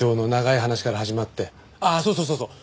ああそうそうそうそう。